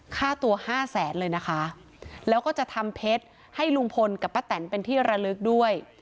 ค่าตัวห้าแสนเลยนะคะแล้วก็จะทำเพชรให้ลุงพลกับป้าแตนเป็นที่ระลึกด้วย